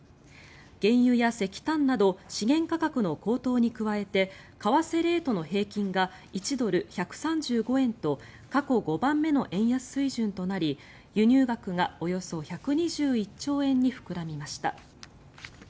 原油や石炭など資源価格の高騰に加えて為替レートの平均が１ドル＝１３５円と過去５番目の円安水準となり輸入額がおよそ１２１兆円に膨らみました。